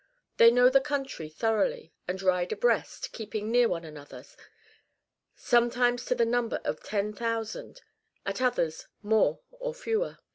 They know the country thoroughly, and ride abreast, keeping near one another, sometimes to the number of 10,000, at other times more or fewer.